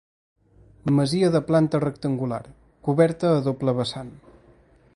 Masia de planta rectangular, coberta a doble vessant.